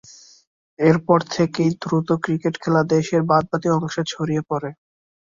এরপর থেকেই দ্রুত ক্রিকেট খেলা দেশের বাদ-বাকী অংশে ছড়িয়ে পড়ে।